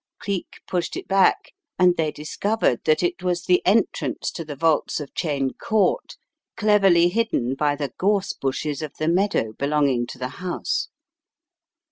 Cleek pushed it back, and they discovered that it was the entrance to the vaults of Cheyne Court cleverly hidden by the gorse bushes of the meadow belonging to the house.